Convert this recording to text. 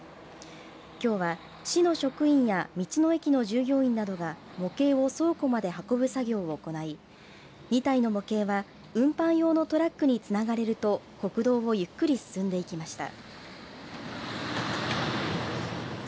きょうは市の職員や道の駅の従業員などが模型を倉庫まで運ぶ作業を行い２体の模型は運搬用のトラックにつながれると国道をゆっくり進んでいきました。